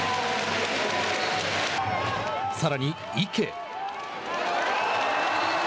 さらに池。